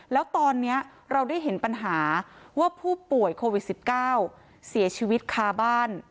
แล้วตอนนี้เราได้เห็นปัญหาว่าผู้ป่วยโควิด๑๙เสียชีวิตคาบ้าน